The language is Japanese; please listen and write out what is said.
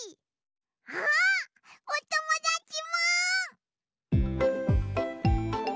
あっおともだちも！